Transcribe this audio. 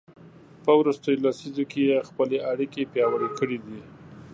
په وروستیو لسیزو کې یې خپلې اړیکې پیاوړې کړي دي.